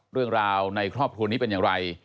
เรื่องราวในครอบครัวนี้เป็นอย่างไร